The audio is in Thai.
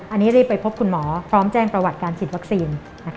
อันนี้รีบไปพบคุณหมอพร้อมแจ้งประวัติการฉีดวัคซีน